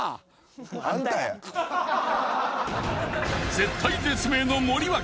［絶体絶命の森脇］